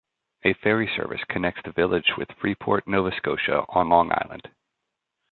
A ferry service connects the village with Freeport, Nova Scotia on Long Island.